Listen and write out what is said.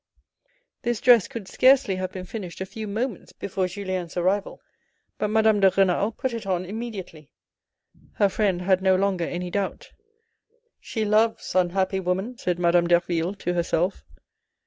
This dress could scarcely have been finished a few moments before Julien's arrival, but Madame de Renal put it on immediately. Her friend had no longer any doubt. " She loves," unhappy woman, said Madame Derville to her self.